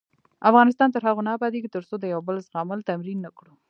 افغانستان تر هغو نه ابادیږي، ترڅو د یو بل زغمل تمرین نکړو.